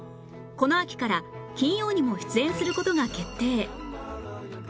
この秋から金曜にも出演する事が決定